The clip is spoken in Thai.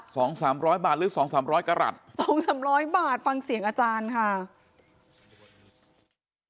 สองสามร้อยบาทหรือสองสามร้อยกรัฐสองสามร้อยบาทฟังเสียงอาจารย์ค่ะ